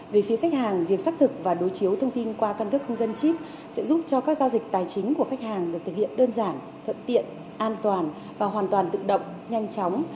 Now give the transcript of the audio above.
về phía khách hàng việc xác thực và đối chiếu thông tin qua căn cước công dân chip sẽ giúp cho các giao dịch tài chính của khách hàng được thực hiện đơn giản thuận tiện an toàn và hoàn toàn tự động nhanh chóng